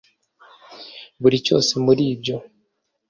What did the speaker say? Buri cyose muri ibyo